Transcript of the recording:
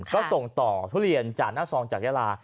ก็ส่งต่อทุเรียนจากหน้าซองจากยาลา